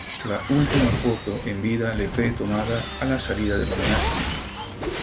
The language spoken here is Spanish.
La última foto en vida le fue tomada a la salida del homenaje.